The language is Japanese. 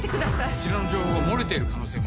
こちらの情報が漏れてる可能性も。